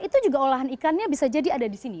itu juga olahan ikannya bisa jadi ada di sini